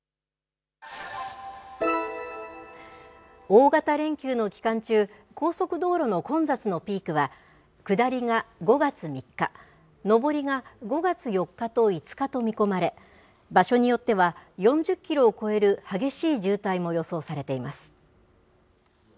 大型連休の期間中、高速道路の混雑のピークは、下りが５月３日、上りが５月４日と５日と見込まれ、場所によっては、４０キロを超える激しい渋滞も予想されています。